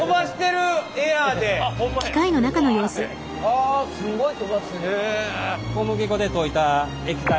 わあすごい。